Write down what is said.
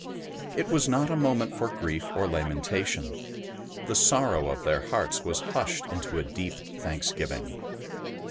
It was not a moment for grief or lamentation; the sorrow of their hearts was hushed into a deep thanksgiving.